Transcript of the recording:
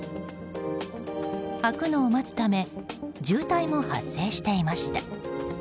空くのを待つため渋滞も発生していました。